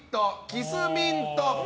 キスミント。